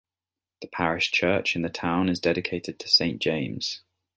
The parish church in the town is dedicated to Saint James.